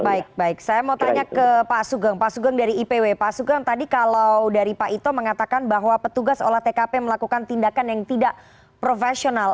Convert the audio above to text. baik baik saya mau tanya ke pak sugeng pak sugeng dari ipw pak sugeng tadi kalau dari pak ito mengatakan bahwa petugas olah tkp melakukan tindakan yang tidak profesional